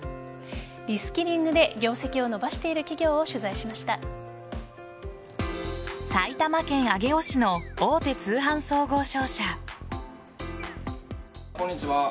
リスキリングで業績を伸ばしている企業を埼玉県上尾市の大手通販総合商社。